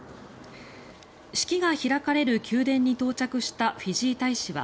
式が開かれる宮殿に到着したフィジー大使は